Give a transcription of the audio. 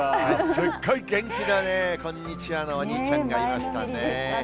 すっごい元気なね、こんにちはのお兄ちゃんがいましたね。